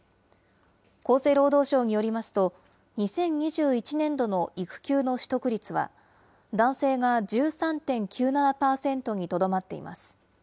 厚生労働省によりますと、２０２１年度の育休の取得率は、男性が１３．９７％にとどまっています。